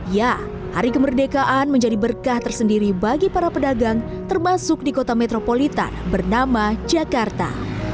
ya hari kemerdekaan menjadi berkah tersendiri bagi para pedagang termasuk di kota metropolitan bernama jakarta